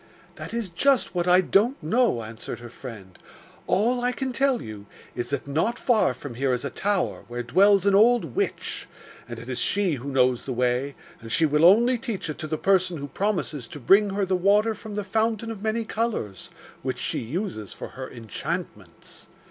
'That is just what I don't know,' answered her friend. 'All I can tell you is that not far from here is a tower, where dwells an old witch, and it is she who knows the way, and she will only teach it to the person who promises to bring her the water from the fountain of many colours, which she uses for her enchantments.